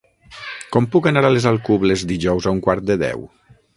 Com puc anar a les Alcubles dijous a un quart de deu?